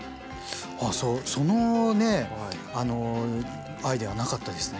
あそうそのねアイデアなかったですね